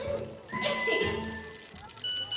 エヘヘッ。